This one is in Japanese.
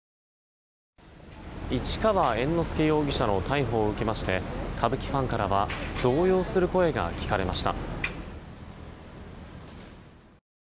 市川猿之助容疑者の逮捕を受けまして歌舞伎ファンからは動揺する声が聞かれました。